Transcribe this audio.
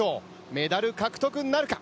メダル獲得なるか。